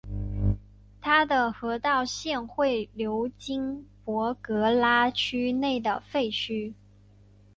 它的河道现会流经博格拉区内的废墟。